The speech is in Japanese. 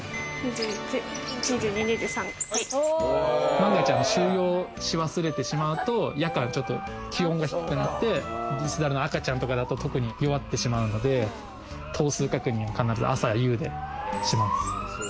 万が一収容し忘れてしまうと夜間ちょっと気温が低くなってリスザルの赤ちゃんとかだと、特に弱ってしまうので頭数確認を必ず朝夕でします。